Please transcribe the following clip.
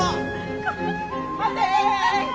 待て！